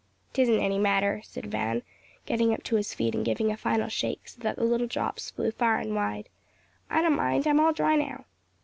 "'Tisn't any matter," said Van, getting up to his feet and giving a final shake, so that the little drops flew far and wide, "I don't mind it, I'm all dry now."